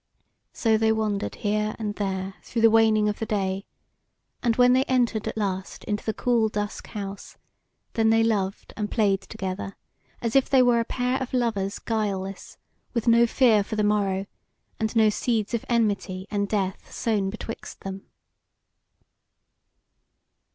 So they wandered here and there through the waning of the day, and when they entered at last into the cool dusk house, then they loved and played together, as if they were a pair of lovers guileless, with no fear for the morrow, and no seeds of enmity and death sown betwixt them.